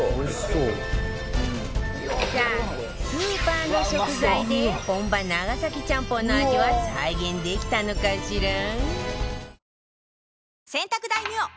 さあスーパーの食材で本場長崎ちゃんぽんの味は再現できたのかしら？